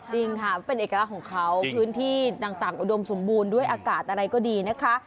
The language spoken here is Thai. จริงค่ะเป็นเอกลักษณ์ของเขาพื้นที่ต่างอุดมสมบูรณ์ด้วยอากาศอะไรก็ดีนะคะ